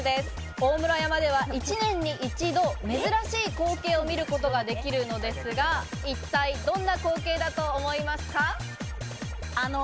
大室山では１年に一度、珍しい光景を見ることができるのですが、一体、どんな光景だと思いますか？